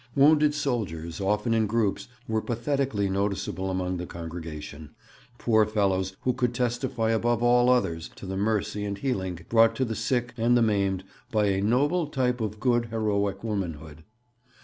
Wounded soldiers, often in groups, were pathetically noticeable among the congregation, poor fellows who could testify above all others to the mercy and healing brought to the sick and the maimed by 'a noble type of good heroic womanhood.'